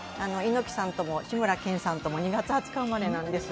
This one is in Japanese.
猪木さんとも志村けんさんとも２月２０日生まれなんです。